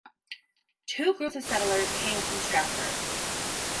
Two groups of settlers came from Stratford.